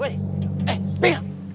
weh eh bingung